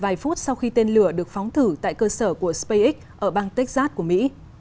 và phút sau khi tên lửa được phóng thử tại cơ sở của spacex ở bang texas của mỹ